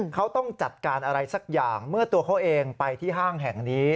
เขาต้องจัดการอะไรสักอย่างเมื่อตัวเขาเองไปที่ห้างแห่งนี้